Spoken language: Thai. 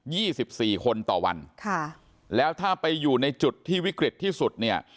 สิบสี่คนต่อวันค่ะแล้วถ้าไปอยู่ในจุดที่วิกฤตที่สุดเนี่ย